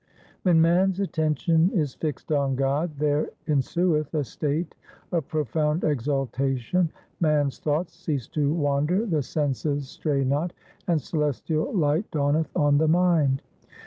When man's attention is fixed on God, there en sueth a state of profound exaltation, man's thoughts cease to wander, the senses stray not, and celestial light dawneth on the mind.'